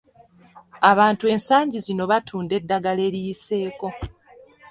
Abantu ensangi zino batunda eddagala eriyiseeko.